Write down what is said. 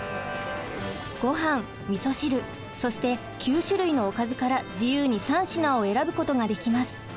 ごはんみそ汁そして９種類のおかずから自由に３品を選ぶことができます。